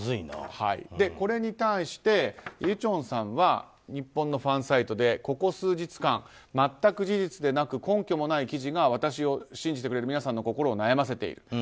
これに対してユチョンさんは日本のファンサイトでここ数日間全く事実でなく根拠もない記事が私を信じてくれる皆さんの心を悩ませている。